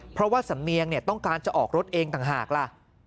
เพราะว่าสำเนียงต้องการจะออกรถเองต่างหากล่ะ